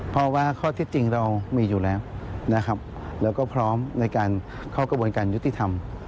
เพราะว่าข้อที่จริงเรามีอยู่แล้วนะครับแล้วก็พร้อมในการเข้ากระบวนการยุติธรรม